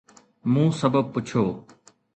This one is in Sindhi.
مون سبب پڇيو.